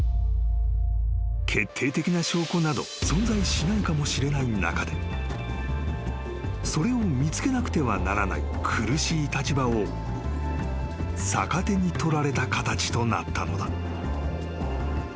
［決定的な証拠など存在しないかもしれない中でそれを見つけなくてはならない苦しい立場を逆手に取られた形となったのだ］